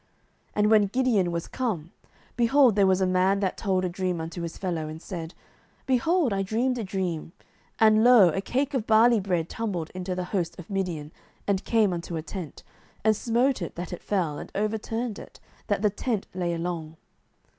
07:007:013 And when Gideon was come, behold, there was a man that told a dream unto his fellow, and said, Behold, I dreamed a dream, and, lo, a cake of barley bread tumbled into the host of Midian, and came unto a tent, and smote it that it fell, and overturned it, that the tent lay along.